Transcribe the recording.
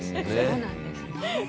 そうなんですよね。